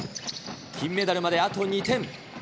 金メダルまであと２点。